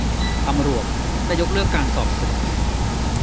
ตำรวจได้ยกเลิกการสอบสวน